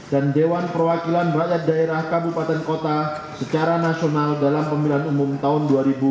dan dewan perwakilan rakyat daerah kabupaten kota secara nasional dalam pemilihan umum tahun dua ribu sembilan belas